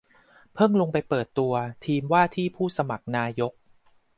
เพิ่งลงไปเปิดตัวทีมว่าที่ผู้สมัครนายก